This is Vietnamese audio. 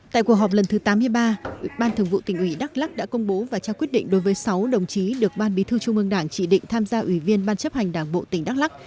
tại cuộc họp lần thứ tám mươi ba ủy ban thường vụ tỉnh ủy đắk lắc đã công bố và trao quyết định đối với sáu đồng chí được ban bí thư trung ương đảng chỉ định tham gia ủy viên ban chấp hành đảng bộ tỉnh đắk lắc